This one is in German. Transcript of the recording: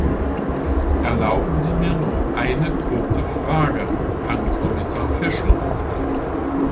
Erlauben Sie mir noch eine kurze Frage an Kommissar Fischler.